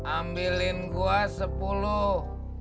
ambilin gue sepuluh